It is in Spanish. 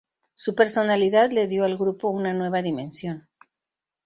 Su personalidad le dio al grupo una nueva dimensión.